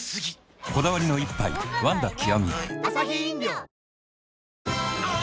こだわりの一杯「ワンダ極」